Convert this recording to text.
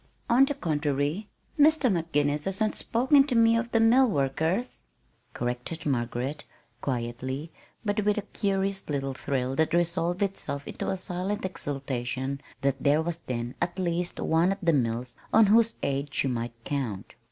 "On the contrary, Mr. McGinnis has not spoken to me of the mill workers," corrected Margaret, quietly, but with a curious little thrill that resolved itself into a silent exultation that there was then at least one at the mills on whose aid she might count.